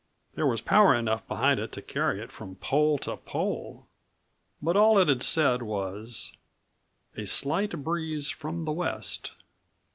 There was power enough behind it to carry it from pole to pole, but all it had said was: "A slight breeze from the west."